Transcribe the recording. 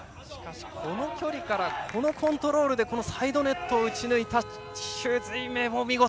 この距離からこのコントロールでこのサイドネットを打ち抜いた朱瑞銘も見事！